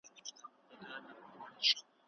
عضلات د کاردستي له لارې پیاوړي کېږي.